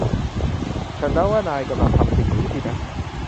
ฉันเดาว่านายกำลังทำสิ่งนี้สินะ